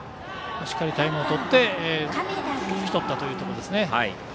しっかりタイムをとって拭き取ったところですね。